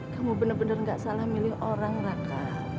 kamu bener bener nggak salah milih orang raka